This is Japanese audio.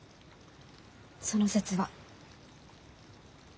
その節は。